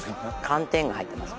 寒天が入ってます